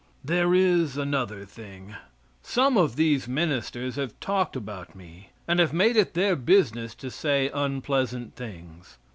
There is another thing. Some of these ministers have talked about me, and have made it their business to say unpleasant things.